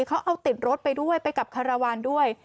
เขาเอาติดรถไปกับคระวันด้วย